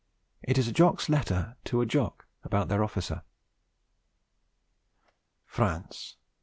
It is a Jock's letter to a Jock, about their officer: 'FRANCE, 1.